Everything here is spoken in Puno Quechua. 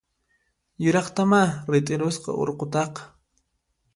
Yuraqtamá rit'irusqa urqutaqa!